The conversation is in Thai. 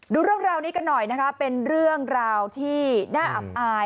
ดูเรื่องราวนี้กันหน่อยนะคะเป็นเรื่องราวที่น่าอับอาย